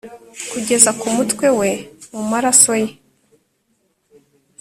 kugeza ku mutwe we mu maraso ye